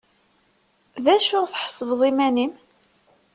D acu tḥesbeḍ iman-im?